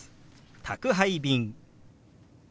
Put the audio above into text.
「宅配便」。